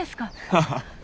ハハッ。